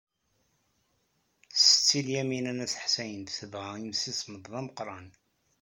Setti Lyamina n At Ḥsayen tebɣa imsismeḍ d ameqran.